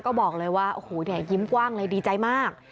ก็บอกเลยว่ายิ้มกว้างเลยดีใจมาก